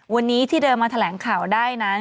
วันนี้ที่เดินมาแถลงข่าวได้นั้น